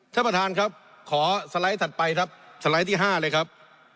ท่านประธานครับขอสไลด์ถัดไปครับสไลด์ที่๕เลยครับ